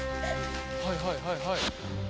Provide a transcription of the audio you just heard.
はいはいはいはい。